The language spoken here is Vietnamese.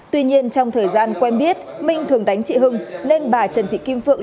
tuy nhiên trong thời gian quen biết minh thường đánh chị hưng nên bà trần thị kim phượng